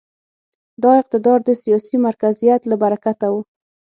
دا اقتدار د سیاسي مرکزیت له برکته و.